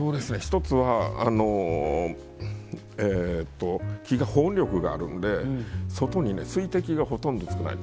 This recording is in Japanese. １つは木が保温力があるので外に水滴がほとんどつかない。